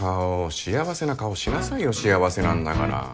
幸せな顔しなさいよ幸せなんだから。